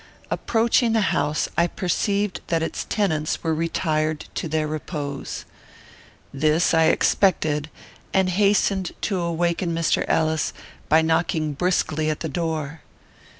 Approaching the house, I perceived that its tenants were retired to their repose. This I expected, and hastened to awaken Mr. Ellis, by knocking briskly at the door.